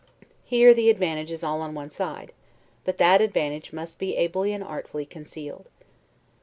Here, the advantage is all on one side; but that advantage must be ably and artfully concealed.